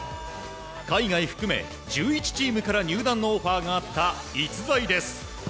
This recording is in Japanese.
海外含め１１チームから入団のオファーがあった逸材です。